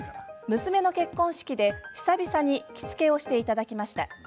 娘の結婚式で久々に着付けをしていただきました。